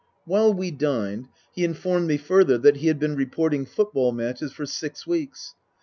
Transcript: While we dined he informed me further that he had been reporting football matches for six weeks.